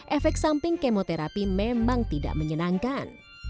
efek samping kemoterapi memang tidak menyenangkan